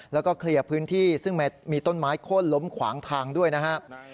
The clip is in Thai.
แล้วก็เคลียร์พื้นที่ซึ่งมีต้นไม้โค้นล้มขวางทางด้วยนะครับ